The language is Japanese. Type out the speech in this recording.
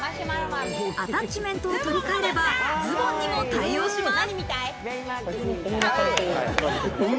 アタッチメントを取り替えれば、ズボンにも対応します。